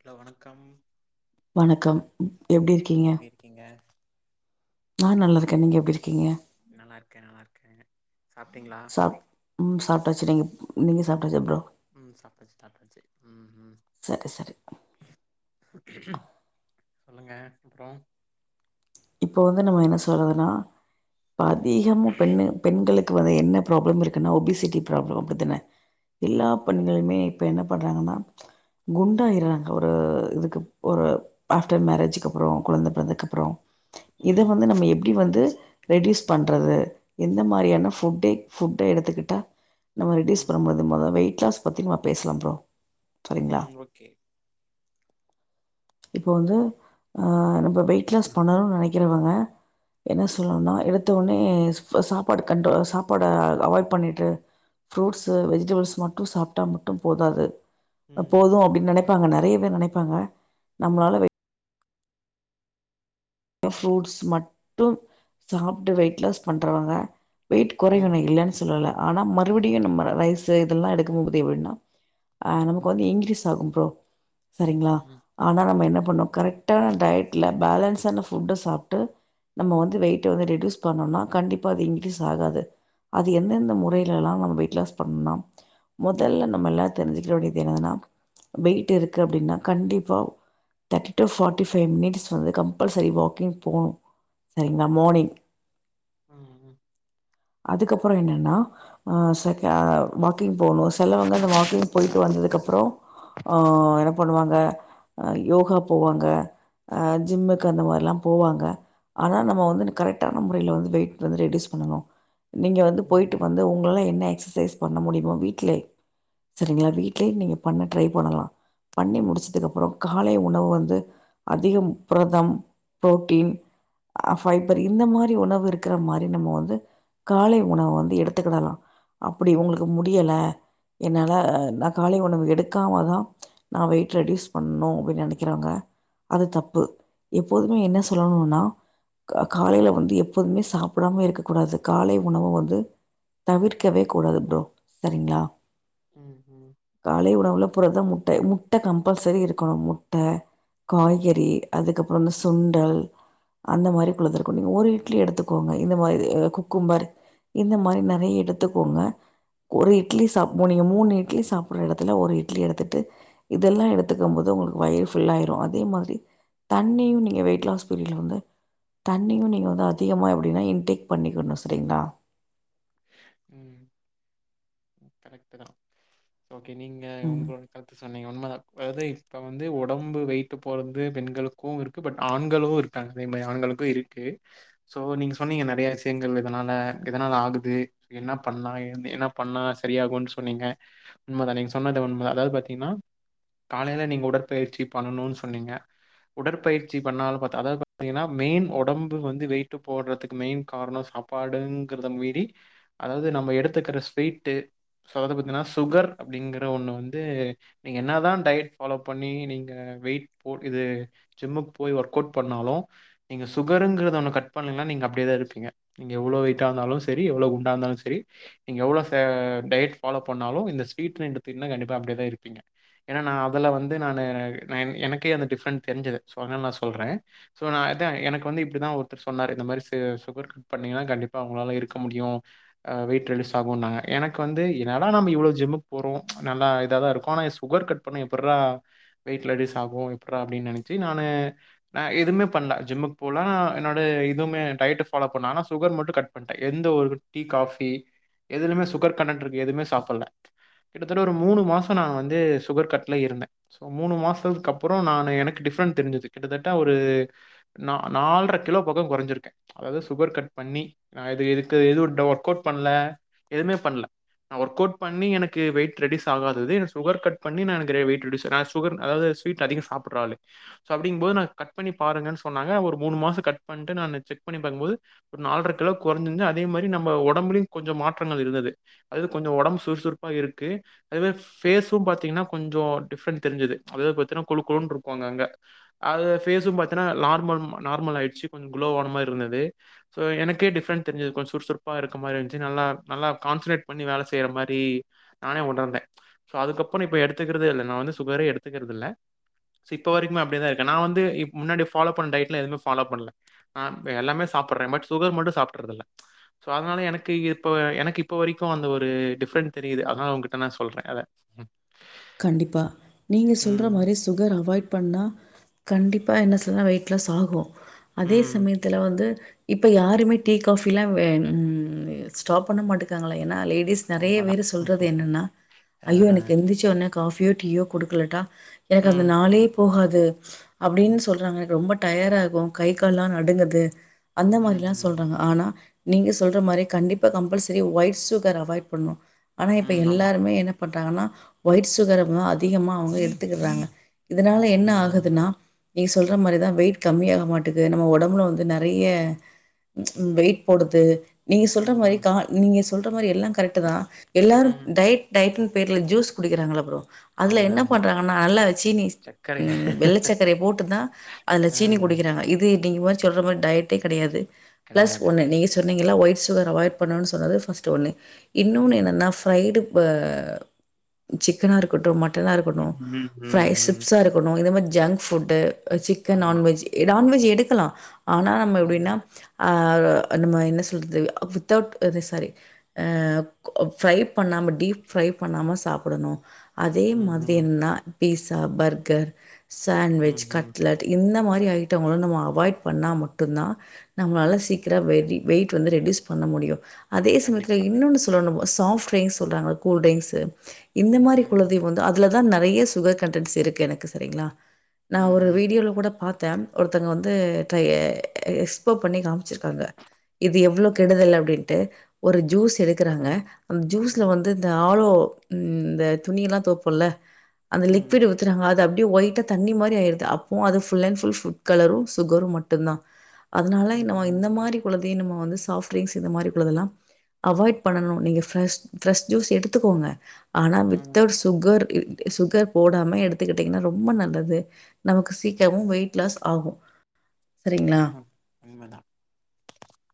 Hello வணக்கம் வணக்கம் எப்டி வணக்கம் இருக்கீங்க எப்படி இருக்கீங்க நா நல்ல இருக்கன் நீங்க எப்படி [unintelligible] நல்லா இருக்கே நல்லா இருக்கே சாப்பிட்டீங்களா ச்சங்க நீங்க சாப்பிடச்ச ப்ரோ உம் சாப்டாச்சு தாட்டாச்சு உம் உம் சரி சரி சொல்லுங்க அப்றோ இப்போ வந்து நம்ம என்ன சொல்றதுன்னா ம் அதிகம பெண்ணு பெண்களுக்கு வந்து என்ன ப்ராப்ளம் இருக்குனா ஒபிசிட்டி பிரச்சனை அப்படித்தானா ம் எல்லாப் பணிகளுமே இப்ப என்ன பண்றாங்கன்னா குண்டாஆயடுறாங்க ஒரு இதுக்கு ஒரு ஆப்டர் மேரேஜக்கு அப்புறம் குழந்தை பிறந்ததுக்கப்புறம்ர அப்புறம் இத ம் வந்து நம்ம எப்டி வந்து ரெட்யூஸ் பண்றது நம்ம ம் ரெட்டியூஸ் ம் பண்ணாம்போது மொத வெயிட் களாஸ் பத்தி ன்வா பேஸ்லா ப்ரோ சரிங்களா ம் ஓகே இப்போ வந்து அ நம் வெயிட் லாஸ் பண்ணனுன் நெனக்கிறவங்க என்ன சொல்ணுனா எடுத்த ஒனே ஸ்ஃப சாப்பாடு கண்டோ சாப்பாட அவாய்ட் பண்ணிட்டு ஃ ப்ரூட்ஸு வெஜிடபுள்ஸ் மட்டு சாப்ட்டா சாப்பிட்டா மட்டு போதாது ம் போதும் அப்படின்னு நினைப்பாங்க ந ரேய பேர் நெனைப்பாங்க ம் நம்ப்ளால ம் வே அ ஃப்ரூட்ஸ் மட் தூம் மட்டும் சாப்பிட்டு வெயிட் லாஸ் பண்றவங்க வெயிட் ம் குறையணும் இல்லைன்னு சொல்லலை ஆனால் ஆமா மறுபடியும் நம்ம ரைஸு இதெல்லாம் எடுத்து ஊதி விட்னோ அ ம் ம் நமக் வந்து இங்ரீஸ் ஆகு ப்ரோ சரிங்ளா ம் ம் ஆனா நம்ம என்ன பண்ணு கரெக்டா டயட்ல பேலன்ஸான ஃபுட் புட்ட சாப்டு நம்ம வந்து வெயிட்ட வந்து ரெடுஸ் பணுனா கண்டிப்பா அது இன்க்ரிஸ் ஆகாது அது எந்த எந்த மொறைலால நம்ம வெயிட்லாஸ் பண்ணனுனா மொதல நமல்லா தெரிஞ்சிக்கவேண்டியது என்னதுன்னா வெயிட் இருக்கு அப்டினா கண்டிப்பா thirty to forty five minutes வந்து கம்ப்பல்ச சரி வாக்கிங் போனு சரிங்களா மார்னிங் உஹம் உம் அதுக்கப்புறம் என்னன்னா அஹ் ச க வாக்கிங் போனு சிலவங்க அந்த வாக்கிங் போயிட்டு வந்ததுக்கு அப்புறம் அஹ் என்ன பண்ணுவாங்க யோகா போவாங்க அஹ் ஜிம்மு க்கு அந்த மாரில்லா போவாங்க ஆனா நம்ம வந்து கரெக்ட்டானா முறையில்ல வந்து வெயிட் வந்து ரெடியூஸ் பண்ணு நீங்க வந்து ம் போயிட்டு ம் வந்து உங்கள என்ன எக்சசைஸ் பண்ண முடியுமா வீட்லே சரிங்ளா வீட்லயே நீங்க பண்ண ட்ரை பண்ணலா பண்ணி முடிச்சதுக்குப்புறம் காலை உணவு வந்து அதிகம் புரதம் புரோட்டீன் அ ஃபைபர் இந்த மாரி உணவு இருக்கிற மாரி நம்ம வந்து காலை உணவ வந்து எடுத்துக்கிடலா அப்டி உங்ளுக்கு ம் முடியல என்னால ஹ நா காலை உணவு எடுக்காம தா நா வெயிட் ரெடியூஸ் பண்ணு அப்டின்னு நெனைக்கிறாங்க அது தப்பு எப்போதுமே என்ன சொல்லணுனா க காலையில வந்து எப்போதுமே சாப்பிடாம இருக்க கூடாது காலை உணவு வந்து தவிர்க்கவே கூடாது ப்ரோ சரிங்ளா ம் ம் காலை உணவுல புரதம் டை முட்ட கம்பல்சரி இருக்கனு முட்ட காய்கறி அதுக்கப் றம் இந்த சுண்டல் அந்த மாரி குள்ளதிருக்கு நீங்க ஒரு இட்லி எடுத்துக்கோங்க இந்த மாரி குக்கும்பர் இந்த மாரி நறைய எடுத்துக்கோங்க ஒரு இட்லி ச நீங்க மூணு இட்லி சாப்பட்ற எடத்துல ஒரு இட்லி எடுத்துட்டு இதெல்லா எடுத்துக்கும் போது உங்களுக்கு வயிறு ஃபுல்லயிரும் அதே மாரி தண்ணியு நீங்க வெயிட் லாஸ் பீரியடில் வந்து தண்ணியு நீங்க வந்து அதிகமாக எப்படின்னா இன்டேக் பண்ணிக்கணு சரிங்ளா உம் கரெக்ட் தா ஓகே நீங்க ம் உங்களோட கருத்து சொன்னீங்க உண்மைதா அத இப்போ வந்து ஒடம்பு வெயிட்டு போட்றது பெண்களுக்கூ இருக்கு பட் ஆண்களோ இருகாங்க அதே மாரி ஆண்களுக்கும் இருக்கு ஸோ நீங்க சொன்னீங்க நறையா விஷயங்கள் இதனால் எதனால ஆகுது என்ன பண்லா என்ன பண்ணா சரியாகுன்னு சொன்னீங்க உண்மைதா நீங்க சொன்னது உண்ம அதாவது பாத்தீங்கன்னா காலையில நீங்க உடற்பயிற்சி பண்ணணும்ன்னு சொன்னீங்க உடற்பயிற்சி பண்ணாலு பத்த அதாவது பாத்தீங்கன்னா மெயின் உடம்பு வந்து வெயிட்டு போடுறதுக்கு மெயின் காரணம் சாப்பாடுங்கறத மீறி அதாவது நம்ம எடுத்துக்கிற ஸ்வீட்டு அதாது பாத்தீங்கன்னா சுகர் அப்படிங்கற ஒண்ணு வந்து நீங்க என்னதா டயட் ஃபாலோ பண்ணி நீங்க வெயிட் போ இது ஜிம்முக்கு போய் ஒர்க் அவுட் பண்ணாலு நீங்க சுகருங்கறத ஒண்ணு கட் பண்ணீங்கன்னா நீங்க அப்படியேதா இருப்பீங்க நீங்க எவ்வளோ வெயிட்டா இருந்தாலு சரி எவ்வளவு கு தாலு சேரி இங்க உள்ள டயட் ஃபாலோ பண்ணாலு இந்த ஸ்வீட் ரெண்டு தின்னா கண்டிப்பா அப்டியேதா இருப்பிங்க என்னா நா அதுல வந்து நானு எனக்கே அந்த டிஃபரண்ட் தெரிஞ்சது சோ அதனால நா சொல்ற சோ நா அதா எனக்கு வந்து இப்டிதா ஒருத்தர் சொன்னாரு இந்த மாரி சுகர் கட் பண்ணினா கண்டிப்பா உங்களால இருக்க முடியு வெயிட் ரெடியுஸ் ஆகுன்னாங்க எனக்கு வந்து என்னடா நம்ம இவ்ளோ ஜிம்முக்கு போறோ நல்லா இதாதா இருக்கோ ஆனா சுகர் கட் பண்ணா எப்புட்ரா வெயிட் ரெடியுஸ் ஆகு எப்புட்ற அப்டின்னு நெனைச்சு நானு நா இதுன்னு பண்ணல ஜிம்முக்கு போலா என்னுடைய இதுவுமே டயட் ஃபாலோ பண்ணல ஆனா சுகர் மட்டும் கட் பண்ணிட்டேன் எந்த ஒரு டீ காஃபி எதிலுமே சுகர் கன்டென்ட் இருக்கு எதுவுமே சாப்பிட்ல கிட்டத்தட்ட ஒரு மூணு மாசொ நா வந்து சுகர் கட்ல இருந்த ஸோ மூணு மாசத்துக்கு அப்புறம் நான் எனக்கு டிஃப்ரெண்ட் தெரிஞ்சுது கிட்டத்தட்ட ஒரு ந நால்ர கிலோ பக்கொ கொறைஞ்சிருக்கே அதாவது சுகர் கட் பண்ணி நா இது எதுக்கு எது ஒர்கவுட் பண்ல எதுவுமே பண்ல நா ஒர்கவுட் பண்ணி எனக்கு வெயிட் ரெடுயுஸ் அகாதாது சுகர் கட் பன்னி நா எனக்கு வெயிட் ரெடுயுஸ் நா சுகர் அதாவுது ஸ்வீட் அதிகோ சாப்புட்றா ஆலு சோ அப்டின்னும் போது நா கட் பண்ணி பாருங்கன்னு சொன்னாங்க ஒரு மூணு மாச கட் பண்டு நானு செக் பண்ணி பார்க்கும்போது ஒரு நால்ற கிலோ கொறஞ்சியிருந்த அதேமாரி நம்ப உடம்புலியு கொஞ்ச மாற்றங்கள் இருந்தது அது கொஞ்ச உடம்பு சுறுசுறுப்பா இருக்கு அதேமாரி பேஸ்ஸும் பாத்தீங்கன்னா கொஞ்சோ டிஃப்றேன்ட் தெரிஞ்சது அது இப்போ எப்டின்னா கொழுக்கொள்ளுன்று இருக்கு அங்க அங்க அது பேஸ்ஸும் பார்த்தினா நார்மல் நார்மலாயிருச்சி இப்போ வந்து குளோவ் ஆனா மாரி இருந்தது சோ எனக்கு டிஃபறேன்ட் தெரிஞ்சது கொஞ்சோ சுறுசுறு ப்பா இருக்க போதுயிருஞ்சி நல்லா நல்லா கான்சட்ரேட் பண்ணி வேல செய்றமாரி நானே கொண்டந்த சோ அதுக்கப்புனு இப்ப எடுத்துக்ரதே இல்ல நா வந்து சுகரே எடுத்துக்கறதில்ல இப்ப வரைக்குமே அப்டித இருக்க நா வந்து இப் முன்னாடி ஃபாலோ பண்ண டயட்ல எதுவுமே பஃலோ பண்ல நா எல்லாமே சாப்பிடுறேன் பட் சுகர் மட்டும் சாப்டுறது இல்ல சோ அதனால எனக்கு இப்ப எனக்கு இப்ப வரைக்கும் அந்த ஒரு டிஃப்ரெண்ட் தெரியுது அதனால உன்கிட்ட நா சொல்ற அத கண்டிப்பா நீங்க சொல்ற ம். மாரி சுகர் அவாய்ட் பண்ணா கண்டிப்பா என்ன சொல்றனா வெயிட்லாஸ் ஆகு அதே ம். சமயத்துல வந்து இப்ப யாருமே டீ காஃபில்லா வேண் ம் ஸ்டாப் பண்ண மாட்டேக்காங்கலே என்னா லேட் அட்லீஸ்ட் நெறைய உண்மதான். பேர் சொல்றது என்னென்னா ஐயோ எனக்கு அஹ. எந்திச்ச உடன கஃபியோ டியோ கொடுக்கலட்டா எனக்கு அந்த ம். நாளே போகாது து அப்டின்னு சொல்றாங்க எனக்கு ரொம்ப டயர் ஆகு கை கால்லா நடுங்குது அந்த ம். மாரில்லா ம் சொல்றாங்க ஆனா நீங்க சொல்ற மாரி கண்டிப்பா கம்பல்சரி ஒயிர் சுகர் அவாய்ட் பண்ணும் ஆனா இப்ப ம். ஆமா. எல்லாருமே என் பண்டாங்கன்னா ஒயிட்ஸ் துகரங்கு அதிகமா அவுங்க எடுத்துக்கிற்றாங்க இதனால என்ன ம். ஆகுதுன்னா நீ சொல்ற மரிதா வெயிட் கம்மியாக மாட்டுது நம்ம ஒடம்புல வந்து நறைய வெயிட் போடுது நீங்க சொல்ற மாரி ம். கா நீங்க கொல்ற மாரி எல்லா கரெக்ட்டு தா எல்லாரும் ம். டயட் டயட்டுன் பேர்ல ஜூஸ் குடிக்கிறாங்ல அதுல ஆமா, என்ன ஆமா. பண்றாங்கன்னா நல்ல சீனி சர்க்கரை வெள்ளை சக்கரய போட்டு தா அதுல அ சீனி குடிக்கிறாங்க இது நீங்க மாரி சொல்ற மார் டயட்டே கடையாது பிளஸ் கிடையாது. ஒண்ணு நீ சொல் நீங்கல்லா ஒய்ட் சுகர் அவாய்ட் பண்ணணு சொன்னது ஃபஸ்ட் ஒன்னு இன்னொன்னு ம். என்னென்னா ஃப்ரைடு இப்ப சிக் சிக்கனா இருக்கட்டும் மட் மட்டான ம். இருக்கணு ம். ஃரை ம். ம். சிப்ஸா இருக்கணு இத மா ஜங்க் ஃபுட்டு சிக்கன் ஆமா. நான்வெஜ் நான்வெஜ் எடுக்கலா ஆனா நம்ம ம். எப்டின்னா அ நம்ம என்ன சொல்றது வித்தவுட் அது சாரி ஃப்ரை பண்ணாம டீப் ஃப்ரை பண்ணாம சாப்படணும் அதே மாதிரி ம்ஹ்ம். என்னனா பீஸ் சா பர்கர் சாண்வெச் ம்ஹ்ம். கட்லெட் இந்த மா லீ ஐட்டம் நம்ம அவாய்ட் பண்ணா மட்டுதான் நம்மளால சீக்கிரம் வெய் வெயிட் வந்து ரெடியுஸ் பண்ண முடியும் அதே சமயத்துல கண்டிப்பா. இன்னொன்னு சொல்லணும் பாஸ் சாஃப்ட் டிரிங்ஸ் சொல்றாங்கல கூல்ட்டிரிங்ஸ் இந்த மாரி ம். [unintelligible] வந்து அதுலரு தான் நிறைய சுகர் கண்டன்ட்ஸ் இருக்கு எனக்கு செரிங்களா நா ஒரு ம்ஹ்ம். வீடியோல கூட பார்த் த ஒருத்தங்க வந்து ட்ரய எஸ்போ பண்ணி காமிச்சிருக்காங்க இது எவ்ளோ கெடுதல் அப்படின்ட்டு ஒரு ஜூஸ் எடுக்கறாங்க அந்த ஜூஸ்ல ம். வந்து அளோ ம் இந்த துணிலா தோப்போல அந்த லிக்வீடு ம்ஹ்ம். ஊத்துனா அது அப் அப்டியே ஒயிட்டா தண்ணீ மாரி ஆயிடுது அப்போவோ அது ஃபுல் அண்ட் ஃபுல் ஃபுட் கலரும் சுகரும் மட்டும்தா அதனால [unintelligible] ம்ஹ்ம். இந்த மாரி [unintelligible] இதே நம்ம வந்து சாஃப்டிரிங்ஸ் இந்த மாதிரி உள்ளதெல்லா அவாய்ட் பண்ணணோ நீங்க ஃபிரஸ் ஃபிரஸ் ஜூஸ் எடுத்துக்கோங்க ஆனா வித் ம். கர் இருக்குது சுகர் போடாம எடுத்துக்கிட்டீங்கனா ரொம்ப நல்லது நமக்கு சீக்கிரமோ வெய்ட் லாஸ் ஆகோ உண்மைதா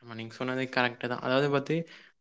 ஆமா நீங்க சொ சொன்னதே கரெக்டு தா அதாவது பாத்தி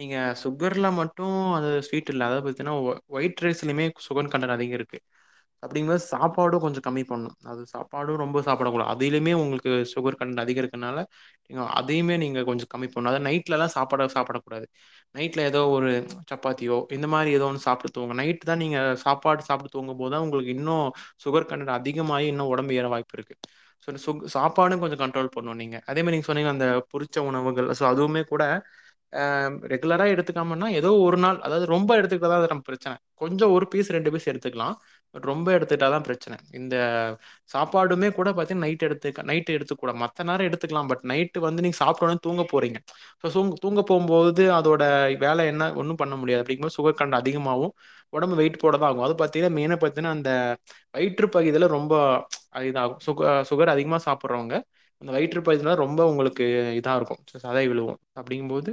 நீங்க சுகர்ல மட்டும் அது ஸ்வீட் இல்ல அதாவது பாத்தீங்கனா ஒ ஒயிட் ரைஸ்லயுமே சுகர் கண்டன் அதிக இருக்கு அப்படிங்கபது சாப்பாடோ கொஞ்சோ கம்மி பண்ணணோ அது சாப்பாடோ ரொம்ப சாப்பிடக்கூடாது அதிலியுமே உங்களுக்கு சுகர் டென்ட் அதிகருக்குறதனால அ அதையுமே நீங்க கொஞ்சோ கம்மி பண்ணனும் அதாவது நைட்ல தா சாப்பாட சாப்டக்கூடாது நைட்ல எதோ ஒரு சப்பாத்தியோ இந்த மாரி எதோ ஒன்னு சாப்ட்டு தூங் நைட்டு தா நீங்க சாப்பாடு சாப்பிட்டு தூங்கும்போது உங்களுக்கு இன்னு ஷுகர் கண்டென்ட் அதிகமாக இன்னு உடம்பு ஏற வாய்ப்பிருக்கு சோ [unintelligible] சாப்பாடும் கொஞ்ச கன் கண்ட்ரோல் பண்ணுனீங்க அதே மாதிரி நீங்க சொன்னீங்களே அந்த பொறிச்ச உணவுகள் சோ அதுவுமே கூட ஆ ரெகுலரா எடுத்துக்காமன எதோ ஒரு நாள் அதாவது ரொம்ப எடுத்துக்கிட்டாவது நாம் பிரச்சன கொஞ்சம் ஒரு பீஸ் ரெண்டு பீஸ் எடுத்துக்கலாம் பட் ரொம்ப எடுத்துக்கிட்டா தான் பிரச்சன இந்த சாப்பாடுமே கூட பாத்திங் நைட் எடுதுக் நைட் எடு கூட மத்த நேரோ எடுத்துக்கலா பட் நைட்டு வந்து நீ சாப்ட்டொடனே தூங்க போறீங்க ஸோ தூங் தூங்க போகும்போது அதோட வேல என்ன ஒன்னோ பண்ண முடியாது அப்படிங்கும்போது சுகர் கண்ட் அதிகமாகோ ஒடம்பு வெய்ட் போடதா ஆகோ அது பாத்தீனா மெயினாக பாத்தீனா அந்த வயிற்று பகுதியில் ரொம்ப அது இதாகோ சுக சுகர் அதிகமா சாப்புட்றவங்க அந்த வயிற்று பகுதிலத ரொம்போ உங்களுக்கு இதா இருக்கோ சதை விழுவோ அப்டீங்கும் போது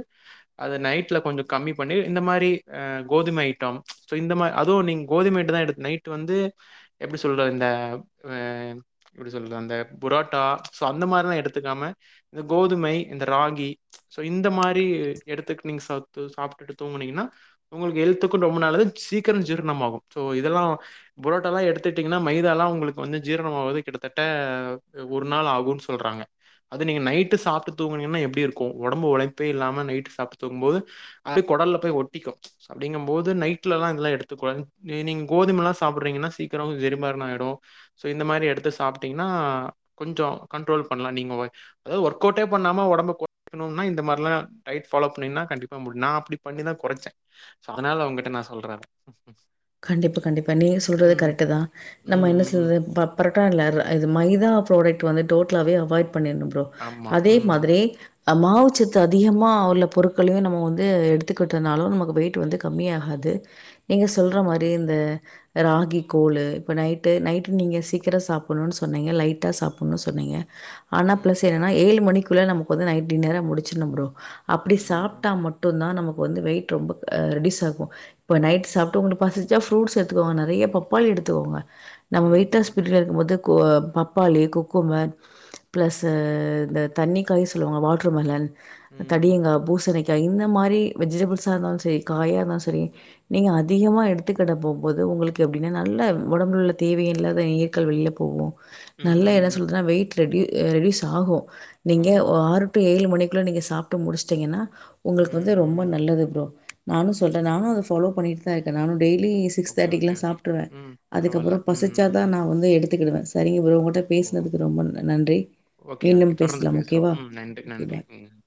அத நைட்ல கொஞ்சோ கம்மி பண்ணி இந்த மாரி அ கோதுமை ஐட்டம் இந்த மாரி அதுவோ நீங்க கோதுமை ஐட்ட தான எ நைட் வந்து எப்படி சொல்ற இந்த அ எப்படி சொல்றது அந்த புரோட்டா சோ அந்த மாரிலா எடுத்துக்காம இந்த கோதுமை இந்த ராகி ஸோ இந்த மாரி எடுத்துக்க நீங்க சா சாப்பிட்டு தூங்குனீங்கனா உங்களுக்கு ஹெல்த்துக்கும் ரொம்ப நல்லது சீக்கிரோ ஜீரணமாகும் ஸோ இதெல்லா புரோட்டாலா எடுத்துட்டீங்கனா மைதாலா உங்களுக்கு வந்து ஜீரணமாகாது கிட்டத்தட்ட ஒரு நாள் ஆகோ கு சொல்றாங்க அத நீங்க நைட்டு சாப்ட்டு தூங்குனீங்கனா எப்டி இருக்கோ ஒடம்பு உழைப்பே இல்லாம நைட்டு சாப்ட்டு தூங்கும் போது அடு கொடல்ல போய் ஒட்டிக்கும் அப்டீங்க போது நைட்லலா இது எல்லா எடுத்துக்க கூடாது நீ நீங் கோதும சாப்பிடுறீங்கனா சீக்கிரோ ஜேரிமர்னோ ஆயிடோ சோ இந்த மாரி எடுத்து சாப்பிட்டீங்கனா கொஞ்சோ கண்ட்ரோல் பண்ணலா நீ்ங்க அதாவது ஒர்கவுட்டே பண்ணாம உடம்ப கொறைக்கணுன்னா இந்த மாரிலாம் டயட் ஃபாலோ பண்ணீங்கனா கண்டிப்பாக முடியு நா அப்படி பண்ணிதா கொறைச்சே சோ அதனால அவங்கிட்ட நா சொல்றே ம் ம் கண்டிப்பா கண்டிப்பா நீங்க சொல்றது கரெக்ட் தா ம். நம்ம என்ன ம். சொல்றது ப பரோட்டால இது மைதா பராடக்ட் வந்துடோட்டலாவே அவாய்ட் பண்ணிருணு ப்ரோ ஆமா. அதே ம். மாதிரி ஆ மாவுச்சத்து அதிகமா உள்ள பொருட்களையோ நம்ம வந்து எடுத்துக்கிட்டதுனாலோ நமக்கு வெயிட் வந்து கம்மியாகாது நீங்க சொல்ற மாரி ம். இந்த ராகி கோலு இப்ப நைட்டு நைட்டு நீங்க சீக்கிர சாப்புட்ணுன்னு சொன்னீங்க லைட்டா சாப்புட்ணுன்னு சொன்னீங்க ஆனா ம். பிளஸ் என்னன்னா ஏழு மணிக்கு ள்ள நமக்கு வந்து நைட் டின்னர முடிச்சுணோ ப்ரோ அப்டி ம். ம். சாப்ட்டா மட்டு தா நமக் வந்து வெயிட் ரொம்போ அ ரெடியூஸ் ஆகோ இப்ப நைட் சாப் டூங்கூண்டு பசிச்சா ஃப்ரூட்ஸ் எடுத்துக்கோங்க நறைய பப்பாளி எடுத்துக்கோங்க நம்ம ம். வெயிட் ம். லாஸ்ட் ம். பிரீடுல இருக்கும் போது கு பப்பாளி குக்கும்மர் பிளஸு இந்த தண்ணிக்காய் சொல்லுவாங்க வாட்ரு மெலன் ம். தடியுங்கா பூசணி க இந்த மாரி வெஜிடபிள்ஸா இருந்தாலோ செரி காயா இருந்தாலோ செரி நீங்க அதிகமாக எடுத்துக்கிட போம்போது உங்களுக்கு எப்டின்னா நல்ல ஒடம்புல உள்ள தேவ இல்லாத நீர்கள் வெளில போவு ம். நல்லா என்ன ம் சொல்றனா வெய்ட் ரெடியூ ரெடியூஸ் ஆகோ நீங்க ஆமா. ஆரு ஏழு மணிகுள்ள நீங்க சாப்ட்டு முடிச்ட்டீங்கன்னா உங்களுக்கு ம், வந்து ரொம்ப ம். நல்லது ப்ரோ நானு சொல்ற நானு கண்டிப்பா. அதை ஃபாலோ பண்ணிட்டு எந்த ஐட்டனானு டெய்லி சிக்ஸ் ஓகே, தர்ட்டிக்குல ஓகே, ஓகே. சாப்ட்டுருவ ம். அதுக்கப்புற பரவால்ல. ம், பசிச்சாதா ம். நா வந்து எடுத் [unintelligible] வர சரியு ஒங்ககிட்ட ஓ! பேசினதுக்கு ரொம்ப நன்றி ஓகே, ஓகே. மீண்டும் தொடர்ந்து பேச்லாம் பேசுவோம். ஓகேவாே ம். நன்றி, ஓகே நன்றி. பாய் ம்.